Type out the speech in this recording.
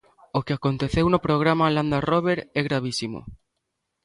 O que aconteceu no programa Landa Rober, é gravísimo.